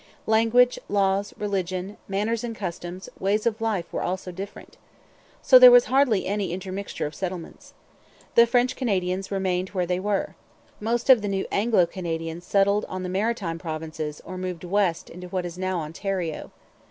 Language, laws, religion, manners and customs, ways of life, were also different. So there was hardly any intermixture of settlements. The French Canadians remained where they were. Most of the new Anglo Canadians settled in the Maritime Provinces or moved west into what is now Ontario.